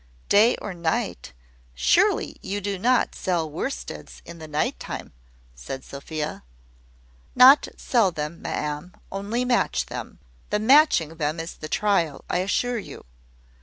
"Day or night! Surely you do not sell worsteds in the night time?" said Sophia. "Not sell them, ma'am; only match them. The matching them is the trial, I assure you.